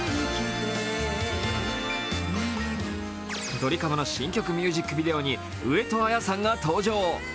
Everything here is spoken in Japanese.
ドリカムの新曲ミュージックビデオに上戸彩さんが登場。